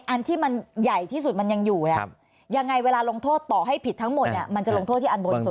อันที่มันใหญ่ที่สุดมันยังอยู่ยังไงเวลาลงโทษต่อให้ผิดทั้งหมดมันจะลงโทษที่อันบนสุด